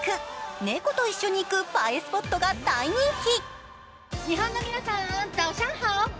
猫と一緒に行く映えスポットが大人気。